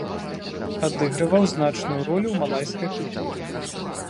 Адыгрываў значную ролю ў малайскай культуры.